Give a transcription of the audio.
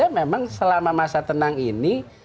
tapi itu saja memang selama masa tenang ini